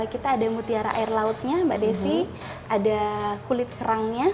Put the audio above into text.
kita ada mutiara air lautnya mbak desi ada kulit kerangnya